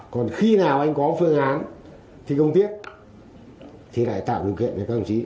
còn khi nào anh có phương án thi công tiếp thì lại tạo điều kiện với công trí